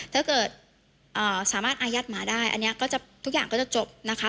ถ้าเกิดสามารถอายัดหมาได้อันนี้ก็จะทุกอย่างก็จะจบนะคะ